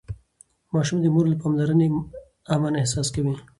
ماشوم د مور له پاملرنې امن احساس کوي.